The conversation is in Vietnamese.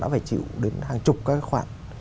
nó phải chịu đến hàng chục cái khoản